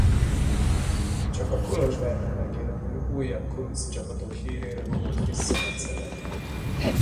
Csak a Kolozsvárnál megjelenő újabb kuruc csapatok hírére vonult vissza Nagyszebenbe.